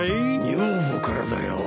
女房からだよ。